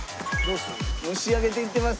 蒸し上げていってます。